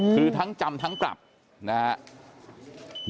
คือทั้งจำทั้งปรับนะครับ